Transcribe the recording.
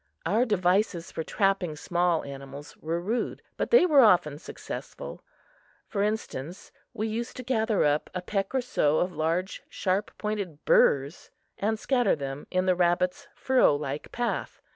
Our devices for trapping small animals were rude, but they were often successful. For instance, we used to gather up a peck or so of large, sharp pointed burrs and scatter them in the rabbit's furrow like path.